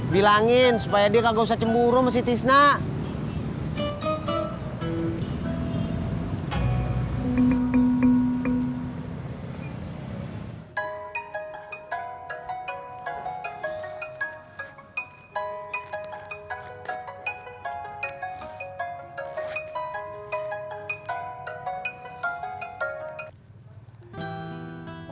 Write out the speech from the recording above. bilangin supaya dia kagak usah cemburu sama si tis nak